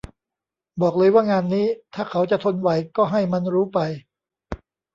บอกเลยว่างานนี้ถ้าเขาจะทนไหวก็ให้มันรู้ไป